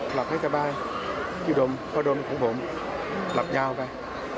หลับให้สบายที่ดมพ่อดมของผมหลับยาวไป